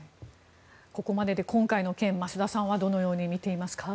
ここまでで今回の件増田さんはどのように見ていますか。